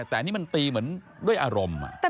แต่อันนี้มันตีเหมือนด้วยอารมณ์